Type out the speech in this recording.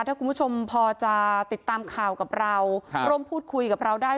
ถ้าคุณผู้ชมพอจะติดตามข่าวกับเราร่วมพูดคุยกับเราได้